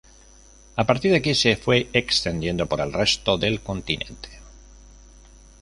A partir de aquí se fue extendiendo por el resto del continente.